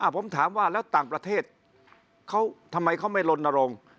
ผมถามว่าแล้วต่างประเทศเขาทำไมเขาไม่ลนรงค์